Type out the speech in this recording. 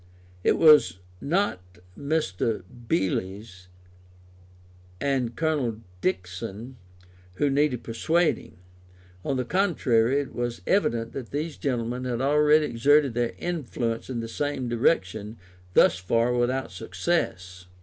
It was not Mr. Beales and Colonel Dickson who needed persuading; on the contrary, it was evident that these gentlemen had already exerted their influence in the same direction, thus far without success.